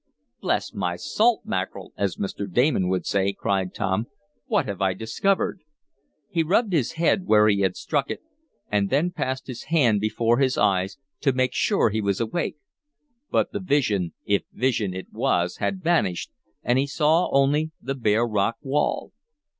"Bless my salt mackerel, as Mr. Damon would say!" cried Tom. "What have I discovered?" He rubbed his head where he had struck it, and then passed his hand before his eyes, to make sure he was awake. But the vision, if vision it was, had vanished, and he saw only the bare rock wall.